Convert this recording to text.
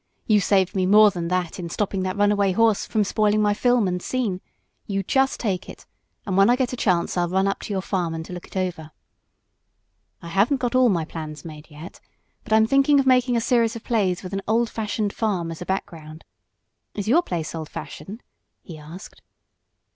You saved me more than that in stopping that runaway horse from spoiling my film and scene. You just take it, and when I get a chance I'll run up to your farm and look it over. "I haven't got all my plans made yet, but I'm thinking of making a series of plays with an old fashioned farm as a background. Is your place old fashioned?" he asked.